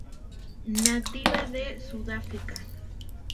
Nativa de Sudáfrica.